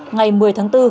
ngày một mươi tháng bốn